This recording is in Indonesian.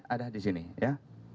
ada di sini ya